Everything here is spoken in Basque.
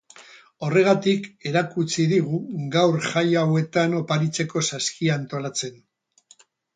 Horregatik erakutsi digu gaur jai hauetan oparitzeko saskia antolatzen.